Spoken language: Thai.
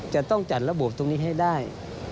จะต้องจัดระบบตรงนี้ให้ได้